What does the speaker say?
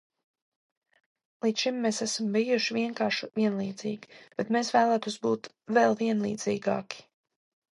Līdz šim mēs esam bijuši vienkārši vienlīdzīgi, bet mēs vēlētos būt vēl vienlīdzīgāki.